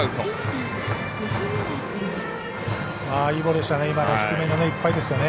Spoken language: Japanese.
いいボールでしたね。